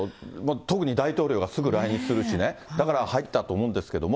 特に大統領がすぐ来日するしね、だから入ったと思うんですけど。